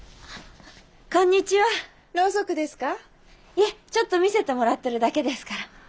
いえちょっと見せてもらってるだけですから。